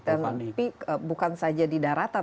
tapi bukan saja di daratan